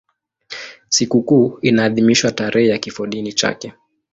Sikukuu inaadhimishwa tarehe ya kifodini chake.